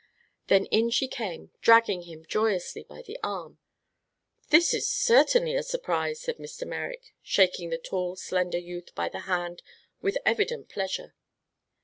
Then in she came, dragging him joyously by the arm. "This is certainly a surprise!" said Mr. Merrick, shaking the tall, slender youth by the hand with evident pleasure.